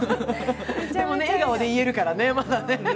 笑顔で言えるからね、まだね。